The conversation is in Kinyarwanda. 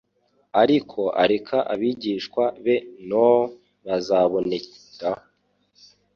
ariko areka abigishwa be noo bazabonereho